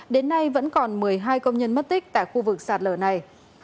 đến nay vẫn còn một mươi hai công nhân mất tích tại khu vực sạt lở này